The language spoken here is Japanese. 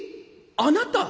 あなた！？